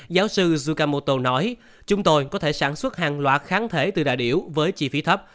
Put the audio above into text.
giáo sư zukamoto nói chúng tôi có thể sản xuất hàng loạt kháng thể từ đại biểu với chi phí thấp